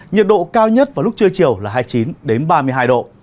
nhiệt độ cao nhất vào lúc trưa chiều là hai mươi chín ba mươi hai độ